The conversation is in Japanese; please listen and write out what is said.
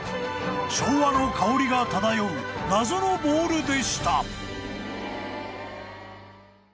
［昭和の薫りが漂う謎のボールでした］